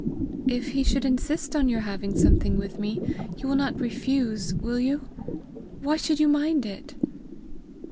"If he should insist on your having something with me, you will not refuse, will you? Why should you mind it?"